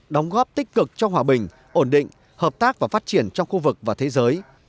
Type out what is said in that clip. đóng góp tích cực cho hòa bình ổn định hợp tác và phát triển trong khu vực và thế giới